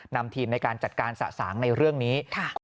นำทีมในการจัดการสะสางในเรื่องนี้